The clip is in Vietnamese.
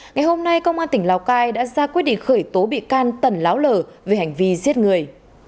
ngày hôm nay công an tỉnh lào cai đã ra quyết định khởi tố bị can tần láo lở về hành vi giết người